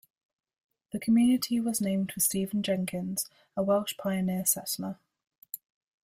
The community was named for Stephen Jenkins, a Welsh pioneer settler.